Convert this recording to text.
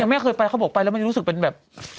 แม่เคยไปเขาบอกไปแล้วมันจะรู้สึกเป็นแบบ